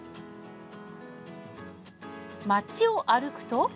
街を歩くと。